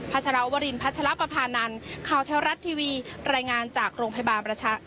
พัชราวรินพัชรประพานันคาวเทลรัตน์ทีวีรายงานจากโรงพยาบาลประชา